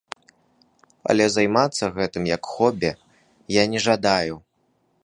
Але займацца гэтым як хобі я не жадаю.